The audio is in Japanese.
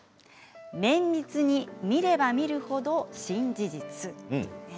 「綿密に見れば見るほど新事実」。